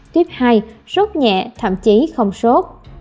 tuyếp hai sốt nhẹ thậm chí không sốt